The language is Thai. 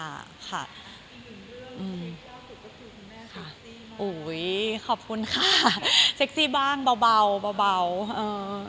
ค่ะอืมค่ะอุ้ยขอบคุณค่ะเซ็กซี่บ้างเบาเบาเบาเบาเอ่อ